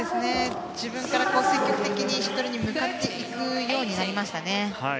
自分から積極的にシャトルに向かっていくようになりましたね。